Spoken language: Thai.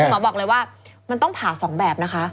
หมอบอกเลยว่ามันต้องผ่า๒แบบนะคะ